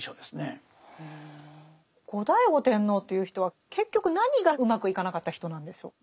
後醍醐天皇という人は結局何がうまくいかなかった人なんでしょう？